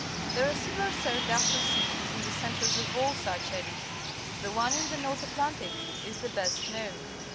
There are similar Sargasso seas in the centres of all such eddies. The one in theTS'ortli Atlantic is the best known.